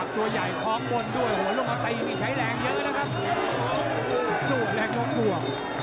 ขยับเอาเตยซ้ายเด้งตีเข่า